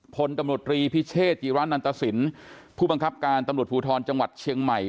พลตำรวจรีพิเชษจิระนันตสินผู้บังคับการตำรวจภูทรจังหวัดเชียงใหม่